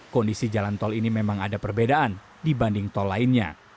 kondisi jalan tol ini memang ada perbedaan dibanding tol lainnya